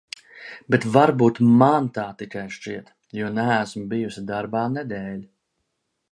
Bet varbūt man tā tikai šķiet, jo neesmu bijusi darbā nedēļu.